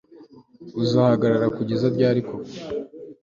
uzahagarara kugeza ryari koko